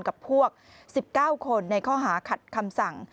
กับพวก๑๙คนในข้อหาขัดคำสั่ง